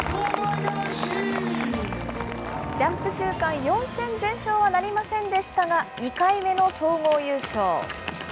ジャンプ週間４戦全勝はなりませんでしたが、２回目の総合優勝。